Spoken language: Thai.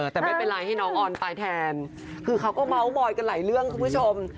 แต่ไม่เป็นไรให้น้องออนตายแทนคือเขาก็เมาส์มอยกันหลายเรื่องคุณผู้ชม